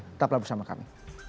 tetaplah bersama kami